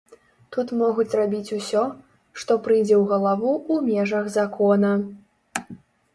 Тут могуць рабіць усё, што прыйдзе ў галаву ў межах закона.